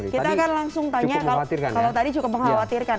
kita akan langsung tanya kalau tadi cukup mengkhawatirkan